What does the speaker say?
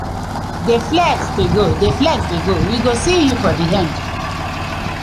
Dey flex dey go, dey flex dey go, we go see yu for di end.